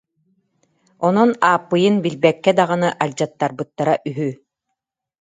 Онон Ааппыйын билбэккэ даҕаны алдьаттарбыттара үһү